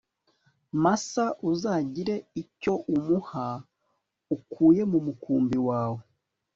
masa Uzagire icyo umuha ukuye mu mukumbi wawe